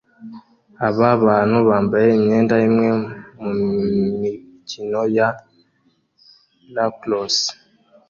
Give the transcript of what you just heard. Aba bantu bambaye imyenda imwe mumikino ya lacrosse